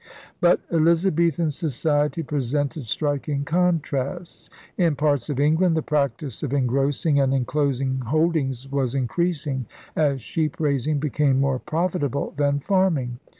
But Elizabethan society presented striking contrasts. In parts of England, the practice of engrossing and enclosing holdings was increasing, as sheep raising became more profitable than farming.